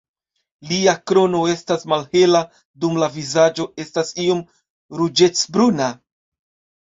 Lia krono estas malhela dum la vizaĝo estas iom ruĝecbruna.